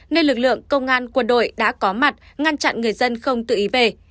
nên lực lượng công an quân đội đã có mặt ngăn chặn người dân không tự ý về